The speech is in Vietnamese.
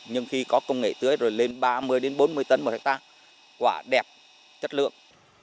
nhưng khi có công nghệ tưới rồi lên ba mươi bốn mươi tấn một hectare quả đẹp chất lượng